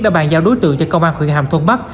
đã bàn giao đối tượng cho công an huyện hàm thuận bắc